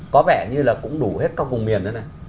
có vẻ như là cũng đủ hết các vùng miền đó nè